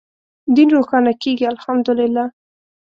دین روښانه کېږي الحمد لله.